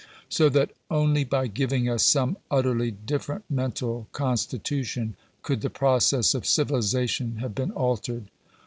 So that only by giving us some utterly different mental con stitution could the process of civilization have been altered.